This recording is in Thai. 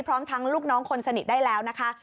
พร้อมทั้งลูกน้องคนสนิทได้แล้วนะคะ